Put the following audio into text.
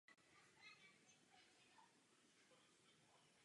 Daniel ho na poslední chvíli zachrání a oba gang pronásledují.